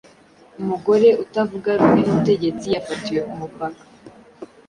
umugore utavuga rumwe n’ubutegetsi yafatiwe k’umupaka